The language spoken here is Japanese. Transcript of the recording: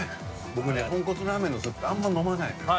僕ね豚骨ラーメンのスープってあんま飲まないのよ。